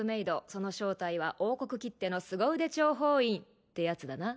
その正体は王国きってのすご腕諜報員ってやつだな